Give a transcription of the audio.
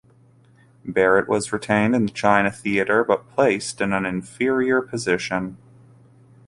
Barrett was retained in the China Theater, but placed in an inferior position.